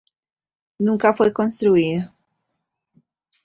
Nunca fue construido.